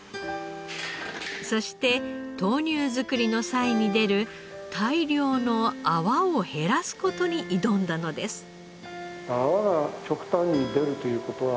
そして豆乳づくりの際に出る大量の泡を減らす事に挑んだのです。